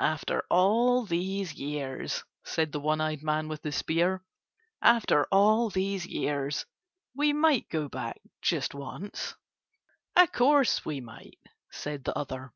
"After all these years," said the one eyed man with the spear. "After all these years. We might go back just once." "O' course we might," said the other.